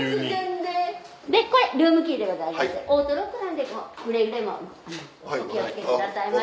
でこれルームキーでございますオートロックなのでくれぐれもお気を付けくださいませ。